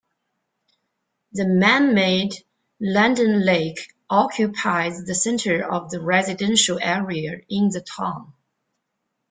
The man-made Landen Lake occupies the center of the residential area in the town.